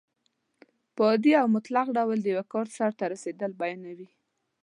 په عادي او مطلق ډول د یو کار سرته رسېدل بیانیوي.